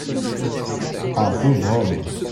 un pauvre homme.